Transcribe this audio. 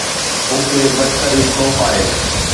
مون کي بدترين خوف آهي